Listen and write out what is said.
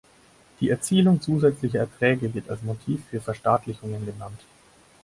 Die Erzielung zusätzlicher Erträge wird als Motiv für Verstaatlichungen genannt.